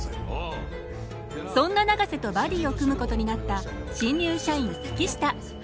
そんな永瀬とバディを組むことになった新入社員月下。